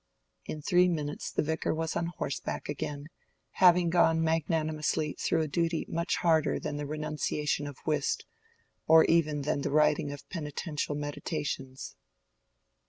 In three minutes the Vicar was on horseback again, having gone magnanimously through a duty much harder than the renunciation of whist, or even than the writing of penitential meditations.